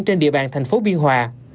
trên địa bàn thành phố biên hòa